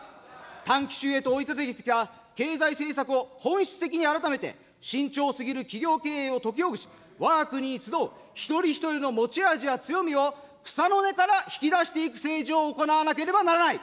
短期収益と、経済政策を本質的に改めて、慎重すぎる企業経営を解きほぐし、わが国に集う一人一人の持ち味や強みを草の根から引き出していく政治を行わなければならない。